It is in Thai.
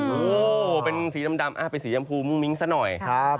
โอ้โหเป็นสีดำเป็นสียำพูมุ้งมิ้งซะหน่อยครับ